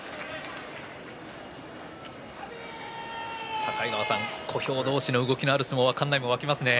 境川さん、小兵同士の動きのある相撲は館内も沸きますね。